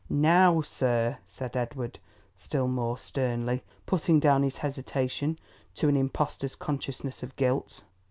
"Now, sir," said Edward still more sternly, putting down his hesitation to an impostor's consciousness of guilt.